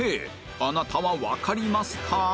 あなたはわかりますか？